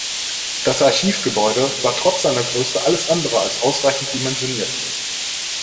Das Archivgebäude war trotz seiner Größe alles andere als ausreichend dimensioniert.